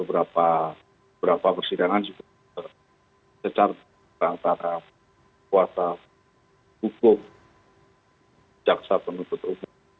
beberapa persidangan juga secara antara kuasa hukum jaksa penuntut umum